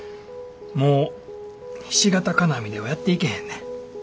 もうひし形金網ではやっていけへんねん。